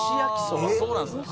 そうなんですよ。